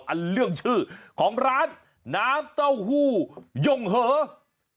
เรื่องชื่อของร้านน้ำเต้าหู้ย่งเหอะ